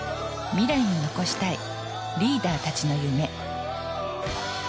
未来に残したいリーダーたちの夢。